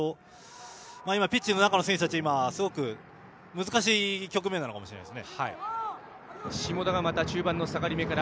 今、ピッチの中の選手たちはすごく難しい局面かもしれないです。